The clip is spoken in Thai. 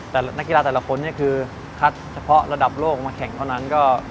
แต่นักกีฬาแต่ละคนเนี่ยคือคัดเฉพาะระดับโลกมาแข่งเท่านั้น